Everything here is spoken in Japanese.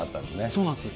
そうなんです。